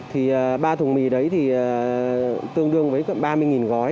thì ba thùng mì đấy thì tương đương với ba mươi gói